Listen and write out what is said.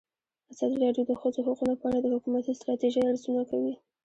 ازادي راډیو د د ښځو حقونه په اړه د حکومتي ستراتیژۍ ارزونه کړې.